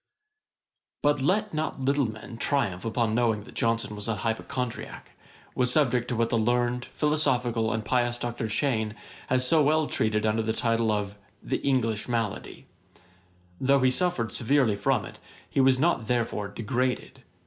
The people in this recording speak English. ] But let not little men triumph upon knowing that Johnson was an HYPOCHONDRIACK, was subject to what the learned, philosophical, and pious Dr. Cheyne has so well treated under the title of 'The English Malady.' Though he suffered severely from it, he was not therefore degraded.